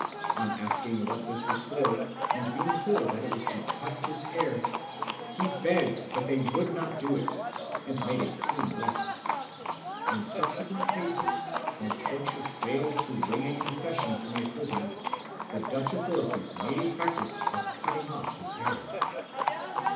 On asking what this was for, and being told that it was to cut his hair, he begged they would not do it, and made a clean breast. In subsequent cases, when torture failed to wring a confession from a prisoner, the Dutch authorities made a practice of cutting off his hair.